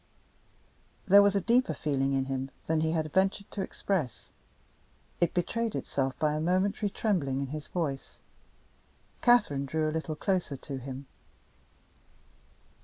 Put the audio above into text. There was a deeper feeling in him than he had ventured to express. It betrayed itself by a momentary trembling in his voice. Catherine drew a little closer to him.